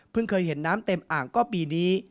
เคยเห็นน้ำเต็มอ่างก็ปีนี้